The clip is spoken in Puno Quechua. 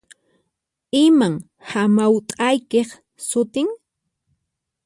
Iman hamawt'aykiq sutin?